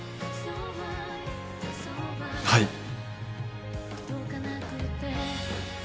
はい。